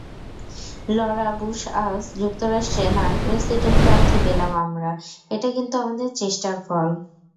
Laura বুশআজ যুক্তরাষ্ট্রে নারী প্রেসিডেন্ট প্রার্থী পেলাম আমরা, এটা কিন্তু আমাদের চেষ্টার ফল।